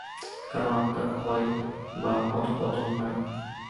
কারণ আত্মার ক্ষয় বা অধঃপতন নাই।